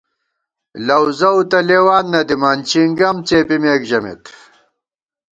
لَؤ زَؤ تہ لېوان نہ دِمان چِنگَم څېپِمېک ژَمېت